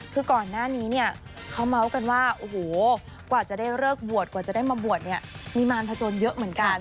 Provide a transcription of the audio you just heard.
คือก่อนหน้านี้เนี่ยเขาเมาส์กันว่าโอ้โหกว่าจะได้เลิกบวชกว่าจะได้มาบวชเนี่ยมีมารพจนเยอะเหมือนกัน